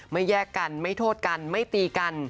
แยกกันไม่โทษกันไม่ตีกัน